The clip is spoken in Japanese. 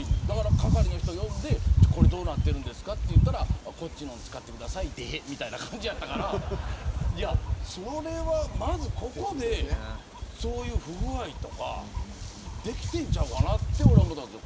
係の人を呼んでどうなってるんですかと聞いたらこっちを使ってくださいみたいな感じやったからまずここで、そういう不具合とかできてるんちゃうかなと思ったんです。